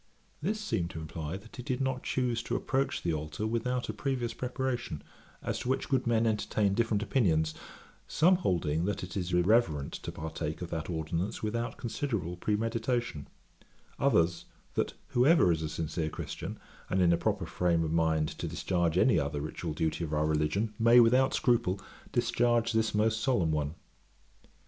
This seemed to imply that he did not choose to approach the altar without a previous preparation, as to which good men entertain different opinions, some holding that it is irreverent to partake of that ordinance without considerable premeditation; others, that whoever is a sincere Christian, and in a proper frame of mind to discharge any other ritual duty of our religion, may, without scruple, discharge this most solemn one.